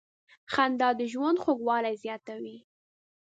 • خندا د ژوند خوږوالی زیاتوي.